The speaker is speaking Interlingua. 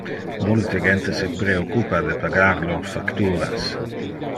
Multe gente se preoccupa de pagar lor facturas.